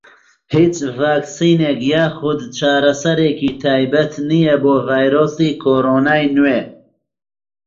هیچ ڤاکسینێک یاخود چارەسەرێکی تایبەت نییە بۆ ڤایرۆسی کۆرۆنای نوێ.